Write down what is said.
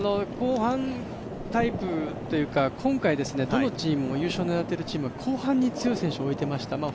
後半タイプというか、今回どのチームも優勝を狙っているチームは優勝を狙っているチームは後半に強い選手を置いていました。